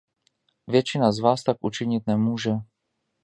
Většina z vás tak učinit nemůže.